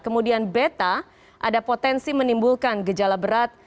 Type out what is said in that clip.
kemudian beta ada potensi menimbulkan gejala berat